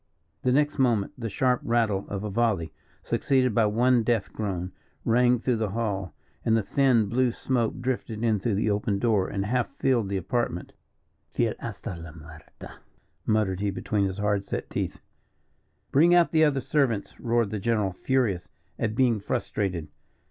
The next moment the sharp rattle of a volley, succeeded by one death groan, rang through the hall, and the thin blue smoke drifted in through the open door, and half filled the apartment. "Fiel hasta la muerte," muttered he between his hard set teeth. "Bring out the other servants," roared the general, furious at being frustrated.